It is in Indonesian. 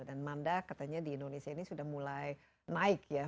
dan manda katanya di indonesia ini sudah mulai naik ya